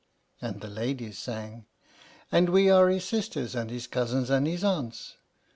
And the Ladies sang: And we are his sisters, and his cousins, and his aunts!